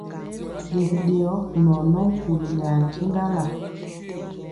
Ɗe biɗeyɔ nɛ ɔ nɔ nkuli nɛ ankendala.